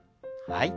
はい。